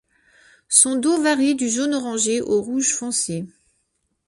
Son dos varie du jaune-orangé au rouge foncé.